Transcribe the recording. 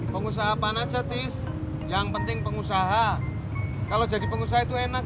pengusaha pan aja tis yang penting pengusaha kalau jadi pengusaha itu enak